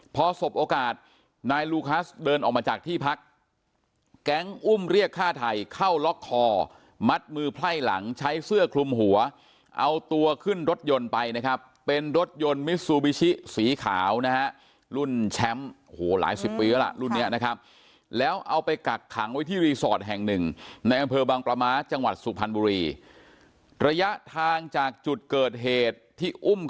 พอสบโอกาสนายลูคัสเดินออกมาจากที่พักแก๊งอุ้มเรียกฆ่าไทยเข้าล็อกคอมัดมือไพร่หลังใช้เสื้อคลุมหัวเอาตัวขึ้นรถยนต์ไปนะครับเป็นรถยนต์มิซูบิชิสีขาวนะฮะรุ่นแชมป์โอ้โหหลายสิบปีแล้วล่ะรุ่นนี้นะครับแล้วเอาไปกักขังไว้ที่รีสอร์ทแห่งหนึ่งในอำเภอบางประม้าจังหวัดสุพรรณบุรีระยะทางจากจุดเกิดเหตุที่อุ้ม